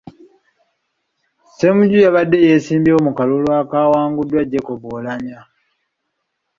Ssemujju yabadde yeesimbyewo mu kalulu akaawanguddwa Jacob Oulanyah.